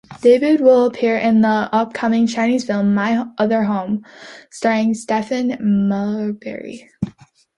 Davis will appear in the upcoming Chinese film "My Other Home" starring Stephon Marbury.